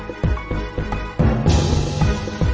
กินโทษส่องแล้วอย่างนี้ก็ได้